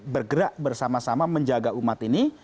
bergerak bersama sama menjaga umat ini